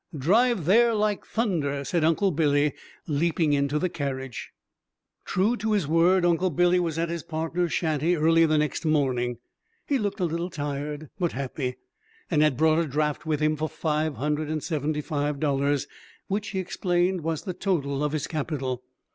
'" "Drive there like thunder!" said Uncle Billy, leaping into the carriage. True to his word, Uncle Billy was at his partner's shanty early the next morning. He looked a little tired, but happy, and had brought a draft with him for five hundred and seventy five dollars, which he explained was the total of his capital.